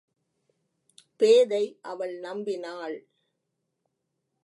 பேதை அவள் நம்பினாள்.